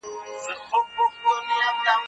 زه کتابونه لوستي دي!.